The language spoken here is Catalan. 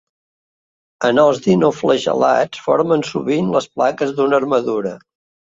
En els dinoflagel·lats formen sovint les plaques d'una armadura.